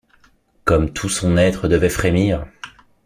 Comme tout son être devait frémir!